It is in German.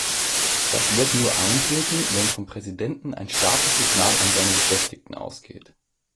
Das wird nur eintreten, wenn vom Präsidenten ein starkes Signal an seine Beschäftigten ausgeht.